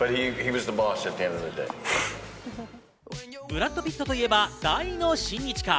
ブラッド・ピットといえば大の親日家。